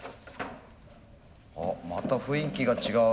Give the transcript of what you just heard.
あまた雰囲気が違う。